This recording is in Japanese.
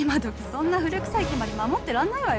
そんな古くさい決まり守ってらんないわよ。